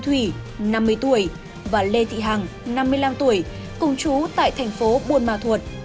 thủy năm mươi tuổi và lê thị hằng năm mươi năm tuổi cùng chú tại thành phố buôn ma thuột